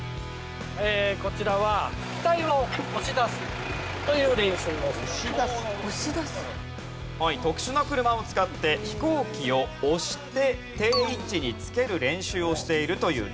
こちらは特殊な車を使って飛行機を押して定位置につける練習をしているというね